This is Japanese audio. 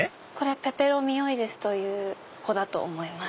ペペロミオイデスという子だと思います。